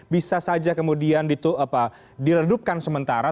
bisa saja kemudian diredupkan sementara